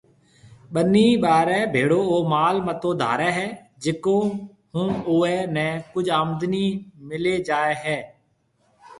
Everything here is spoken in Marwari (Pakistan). ٻنيَ ٻارَي ڀيݪو او مال متو ڌارَي ھيََََ جڪيَ ھون اُئيَ نيَ ڪجھ آمدنِي ملَي جائيَ ھيََََ